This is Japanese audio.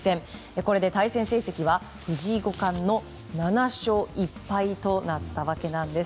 これで対戦成績は藤井五冠の７勝１敗となったわけなんです。